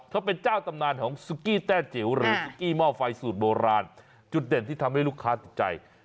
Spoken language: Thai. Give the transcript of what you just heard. เขาเป็นเจ้าตำนานของซุกี้แต้จิ๋วหรือซุกี้หม้อไฟสูตรโบราณจุดเด่นที่ทำให้ลูกค้าติดใจ